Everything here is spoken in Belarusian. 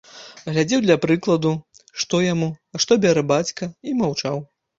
Глядзеў для прыкладу, што яму, а што бярэ бацька, і маўчаў.